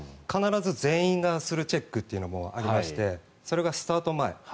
必ず全員がするチェックもありましてそれがスタート前。